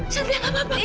satria mama mau